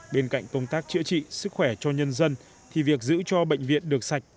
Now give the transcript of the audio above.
bên cạnh công tác chữa trị sức khỏe cho nhân dân thì việc giữ cho bệnh viện được sạch